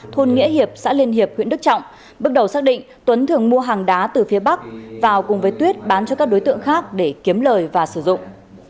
thôn nghĩa hiệp xã liên hiệp huyện đức trọng bước đầu xác định tuấn thường mua hàng đá từ phía bắc vào cùng với tuyết bán cho các đối tượng khác để kiếm lời và sử dụng